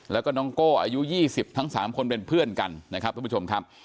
แล้วก็น้องโก้อายุ๒๐ทั้ง๓คนเป็นเพื่อนกันนะครับทุกผู้ชมครับ